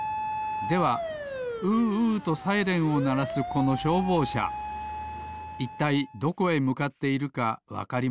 では「うーうー」とサイレンをならすこのしょうぼうしゃいったいどこへむかっているかわかりますか？